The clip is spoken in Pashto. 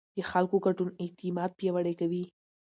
د خلکو ګډون اعتماد پیاوړی کوي